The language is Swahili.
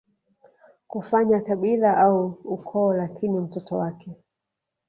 kufanya kabila au ukoo Lakini mtoto wake